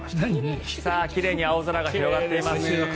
奇麗に青空が広がっています。